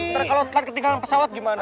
nanti kalau ketinggalan pesawat gimana